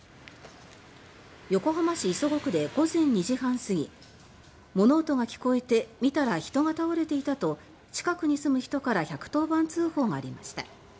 横浜市磯子区で午前２時半すぎ「物音が聞こえて見たら人が倒れていた」と近くに住む人から１１０番通報がありました。